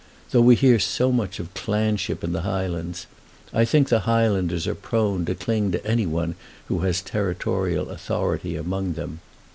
Though we hear so much of clanship in the Highlands, I think the Highlanders are prone to cling to any one who has territorial authority among them.